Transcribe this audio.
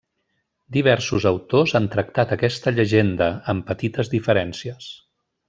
Diversos autors han tractat aquesta llegenda, amb petites diferències.